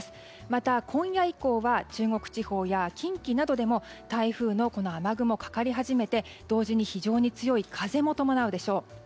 また、今夜以降は中国地方や近畿などでも台風の雨雲、かかり始めて同時に非常に強い風も伴うでしょう。